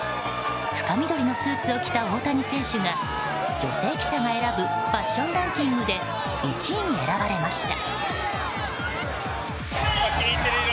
深緑のスーツを着た大谷選手が女性記者が選ぶファッションランキングで１位に選ばれました。